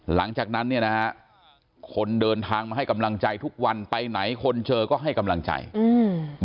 หลังจากนั้นเนี่ยนะฮะคนเดินทางมาให้กำลังใจทุกวันไปไหนคนเจอก็ให้กำลังใจอืม